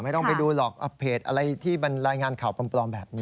ต้องไปดูหรอกเพจอะไรที่มันรายงานข่าวปลอมแบบนี้